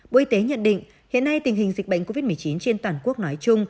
bộ y tế nhận định hiện nay tình hình dịch bệnh covid một mươi chín trên toàn quốc nói chung